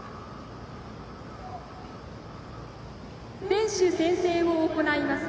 選手宣誓を行います。